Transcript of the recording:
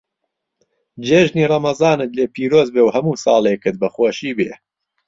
جێژنی ڕەمەزانت لێ پیرۆز بێ و هەموو ساڵێکت بە خۆشی بێ.